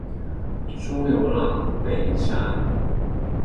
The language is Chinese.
朱由榔被杀。